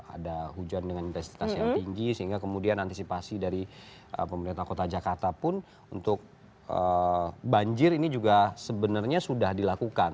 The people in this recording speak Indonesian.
ada hujan dengan intensitas yang tinggi sehingga kemudian antisipasi dari pemerintah kota jakarta pun untuk banjir ini juga sebenarnya sudah dilakukan